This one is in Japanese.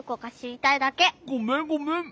ごめんごめん。